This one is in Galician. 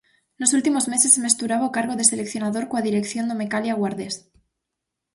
Nos últimos meses mesturaba o cargo de seleccionador coa dirección do Mecalia Guardés.